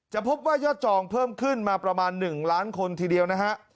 พบว่ายอดจองเพิ่มขึ้นมาประมาณ๑ล้านคนทีเดียวนะฮะ